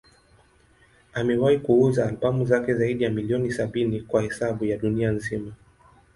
Amewahi kuuza albamu zake zaidi ya milioni sabini kwa hesabu ya dunia nzima.